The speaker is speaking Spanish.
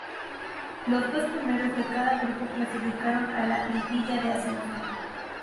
Los dos primeros de cada grupo clasificaron a la liguilla de ascenso.